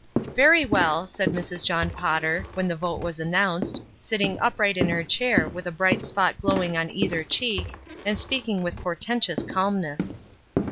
''Very well," said Mrs. John Potter, when the vote was announced, sitting upright in her chair with a bright spot glowing on either cheek, and speaking with portentous calmness.